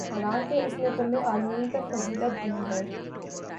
حالانکہ اس نے تمہیں عالمین پر فضیلت دی ہے